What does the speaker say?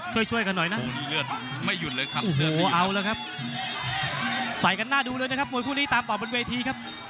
หล่างดูใส่